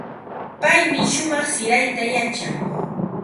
Paymi shumaq sirayta yachan.